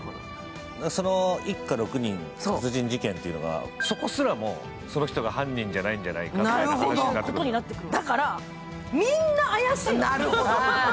一家６人殺人事件っていうのがそこすらも、その人が犯人じゃないんじゃないかみたいな話になってくる。